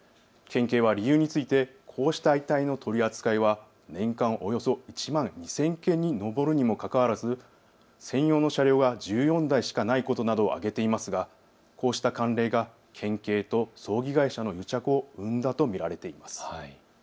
県警は理由についてこうした遺体の取り扱いは年間およそ１万２０００件に上るにもかかわらず、専用の車両が１４台しかないことなどを挙げていますが、こうした慣例が県警と葬儀会社の癒着を生んだと見られています。